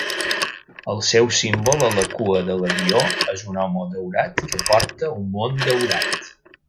El seu símbol a la cua de l'avió és un home daurat que porta un món daurat.